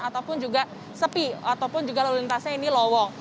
ataupun juga sepi ataupun juga lalu lintasnya ini lowong